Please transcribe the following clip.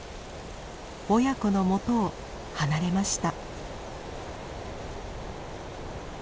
親子のもとを離れました。